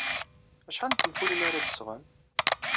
Acḥal n tenfulin ara d-tesɣem?